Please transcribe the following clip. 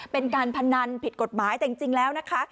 เป็นการพนันผิดกฎหมายแต่จริงแล้วนะคะ